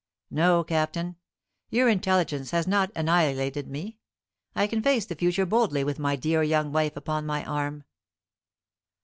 No, Captain; your intelligence has not annihilated me. I can face the future boldly with my dear young wife upon my arm."